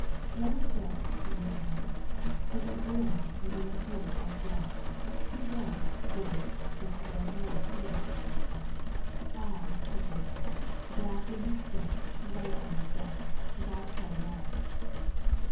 "Let us go," said Leonora; "but let Guiomar remain here on the watch, to warn vis if Carrizales wakes." "Ay," said Guiomar, "black woman stay, white woman go: God pardon all."